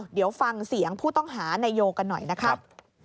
เดี๋ยวฟังเสียงผู้ต้องหานายโยกันหน่อยนะครับ